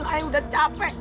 saya udah capek